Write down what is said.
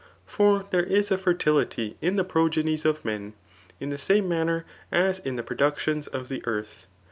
For" thcfre is a fertiUty m tlie {Mrogehies of men, in the same manner as in the productions of the eaurth.